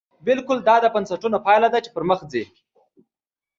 بلکې دا د بنسټونو پایله ده چې پرمخ ځي.